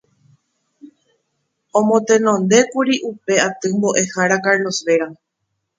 Omotenondékuri upe aty Mboʼehára Carlos Vera.